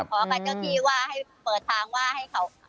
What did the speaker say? ขอกับเจ้าที่ว่าให้เปิดทางว่าให้เขา